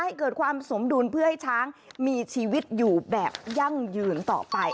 ให้เกิดความสมดุลเพื่อให้ช้างมีชีวิตอยู่แบบยั่งยืนต่อไป